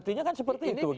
buktinya kan seperti itu